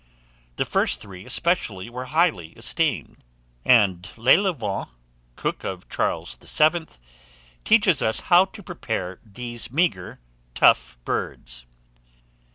The first three especially were highly esteemed; and Laillevant, cook of Charles VII., teaches us how to prepare these meagre, tough birds.